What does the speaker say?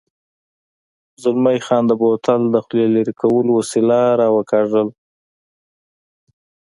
زلمی خان د بوتل د خولې لرې کولو وسیله را وکاږل.